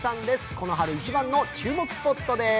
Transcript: この春一番の注目スポットです。